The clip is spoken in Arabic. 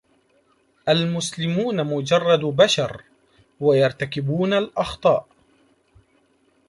المسلمون مجرّد بشر و يرتكبون الآخطاء.